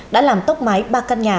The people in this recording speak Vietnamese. đã làm tốc máy ba căn nhà